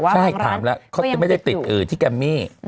ใช่ถามแล้วเขาจะไม่ได้ติดที่แกมมี่